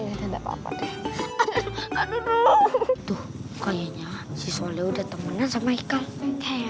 ada apa apa deh aduh tuh kayaknya siswa udah temenan sama ikan kayaknya sih begitu kan